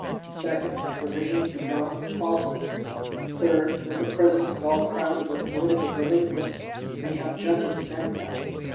Second, that provisions be got, if possible. Third, that the Prisons, all crowded with political delinquents, may have judges sent them.